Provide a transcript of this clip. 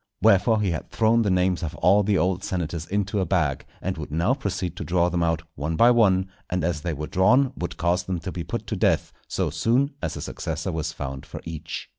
Wherefore he had thrown the names of all the old senators into a bag, and would now proceed to draw them out one by one, and as they were drawn would cause them to be put to death, so soon as a successor was found for each.